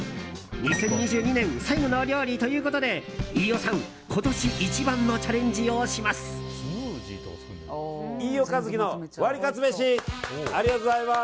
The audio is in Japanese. ２０２２年最後の料理ということで飯尾さん今年一番のチャレンジをします。